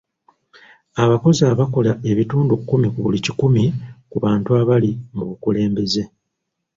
Abakozi abakola ebitundu kkumi ku buli kikumi ku bantu abali mu bukulembeze.